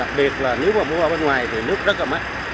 đặc biệt là nếu mà mua ở bên ngoài thì nước rất là mát